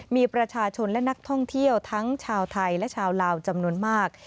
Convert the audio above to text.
มีประชาชนและนักท่องเที่ยวทั้งชาวไทยและชาวลาวจำนวนมาก